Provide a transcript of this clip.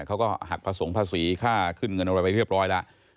เขาก็หักผสมภาษีค่าขึ้นเงินอะไรไปเรียบร้อยแล้ว